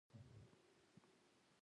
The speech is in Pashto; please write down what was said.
دروغ نه وایم باور وکړئ.